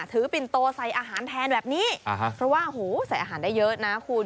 ปิ่นโตใส่อาหารแทนแบบนี้เพราะว่าโหใส่อาหารได้เยอะนะคุณ